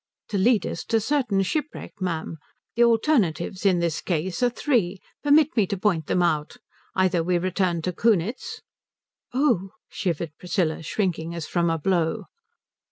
To lead us to certain shipwreck, ma'am? The alternatives in this case are three. Permit me to point them out. Either we return to Kunitz " "Oh," shivered Priscilla, shrinking as from a blow.